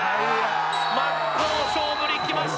真っ向勝負にいきました